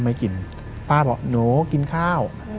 ป้าก็บอกหนูกินข้าว